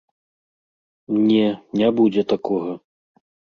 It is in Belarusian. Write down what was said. Не, не будзе такога.